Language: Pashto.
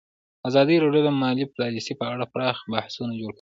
ازادي راډیو د مالي پالیسي په اړه پراخ بحثونه جوړ کړي.